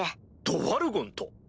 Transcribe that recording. ドワルゴンと？